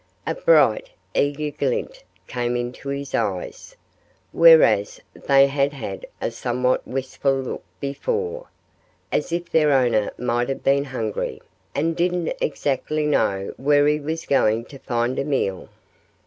And a bright, eager glint came into his eyes; whereas they had had a somewhat wistful look before, as if their owner might have been hungry, and didn't exactly know where he was going to find a meal.